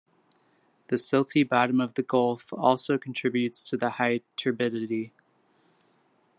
The silty bottom of the gulf also contributes to the high turbidity.